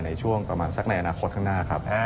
ในช่วงประมาณสักในอนาคตข้างหน้าครับ